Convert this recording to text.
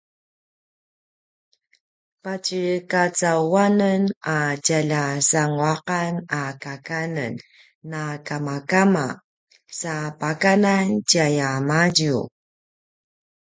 patjekacauanen a tjalja sanguaqan a kakanen na kamakama sa pakanan tjayamadju